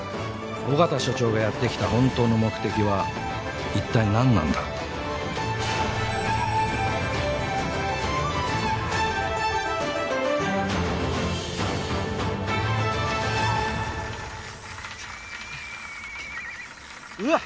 緒方署長がやってきた本当の目的はいったい何なんだうわっ